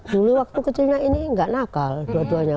dulu waktu kecilnya ini nggak nakal dua duanya